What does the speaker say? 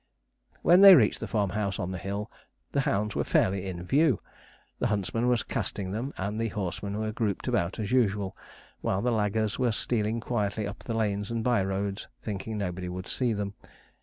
When they reached the farmhouse on the hill the hounds were fairly in view. The huntsman was casting them, and the horsemen were grouped about as usual, while the laggers were stealing quietly up the lanes and by roads, thinking nobody would see them.